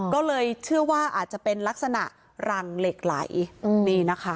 ก็เลยเชื่อว่าอาจจะเป็นลักษณะรังเหล็กไหลนี่นะคะ